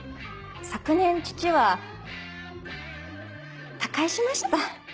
昨年父は他界しました。